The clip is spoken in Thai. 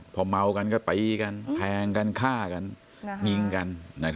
พอเมากันก็ตีกันแทงกันฆ่ากันยิงกัน